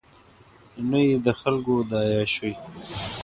نه یې د خلکو دا عیاشۍ.